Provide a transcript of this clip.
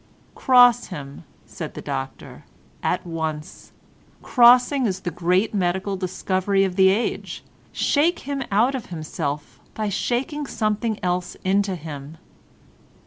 "Cross him," said the doctor, "at once. Crossing is the great medical discovery of the age. Shake him out of himself by shaking something else into him."